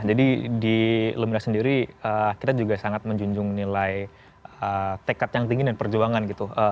jadi di lumina sendiri kita juga sangat menjunjung nilai tekad yang tinggi dan perjuangan gitu